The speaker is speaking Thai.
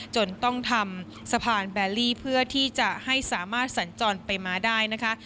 จนต้องทำสะพานแบลลี่เพื่อที่จะให้สามารถสัญจรไปมาได้นะคะ